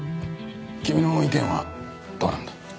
君の意見はどうなんだ？